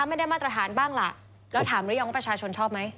ไปถามรึยังว่าประชาชนชอบไหม